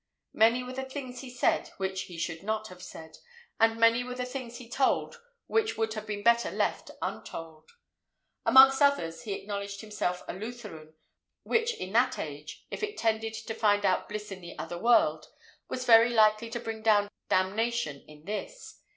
Many were the things he said which he should not have said, and many were the things he told which would have been better left untold. Amongst others, he acknowledged himself a Lutheran, which in that age, if it tended to find out bliss in the other world, was very likely to bring down damnation in this.